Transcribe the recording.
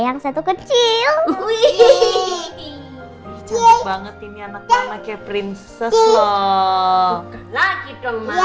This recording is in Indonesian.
banget ini anaknya kayak prinses loh